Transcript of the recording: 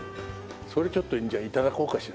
それちょっとじゃあ頂こうかしら。